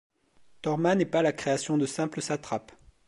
Torma n'est pas la création de simples satrapes.